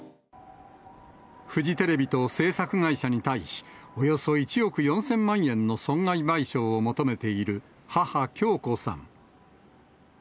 フジテレビと制作会社に対し、およそ１億４０００万円の損害賠償を求めている母、響子さん。